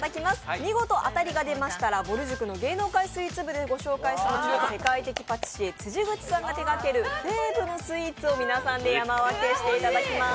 見事当たりが出ましたら「ぼる塾の芸能界スイーツ部」でご紹介した世界的パティシエ・辻口さんが手がけるクレープのスイーツをフェーヴのスイーツを皆さんで山分けしていただきます。